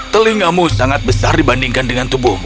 telingamu sangat besar dibandingkan dengan tubuhmu